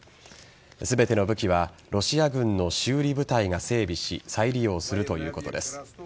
全ての武器はロシア軍の修理部隊が整備し再利用するということです。